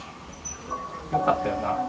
よかったよな？